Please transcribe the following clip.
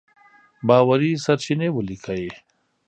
باوري سرچينې وليکئ!.